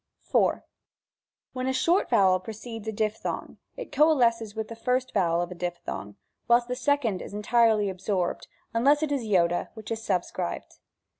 rV". When a short vowel precedes a diphthong, it coalesces with the first vowel of the diphthong, whilst the second is entirely absorbed, nnless it is c, which is subscribed.